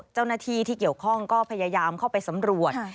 เจ้าหน้าที่ที่เกี่ยวข้องก็พยายามเข้าไปสำรวจ